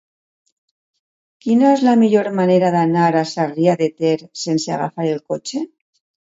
Quina és la millor manera d'anar a Sarrià de Ter sense agafar el cotxe?